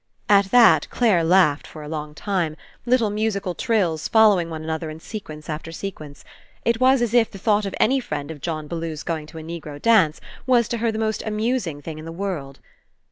At that, Clare laughed for a long time, little musical trills following one another in sequence after sequence. It was as if the thought of any friend of John Bellew's going to a Negro dance was to her the most amusing thing in the world.